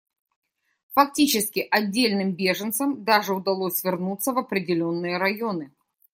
Фактически отдельным беженцам даже удалось вернуться в определенные районы.